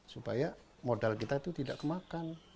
supaya modal kita itu tidak kemakan